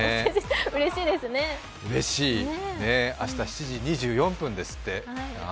うれしい、明日７時２４分ですって。